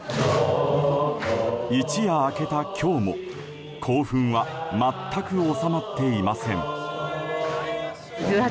一夜明けた今日も興奮は全く収まっていません。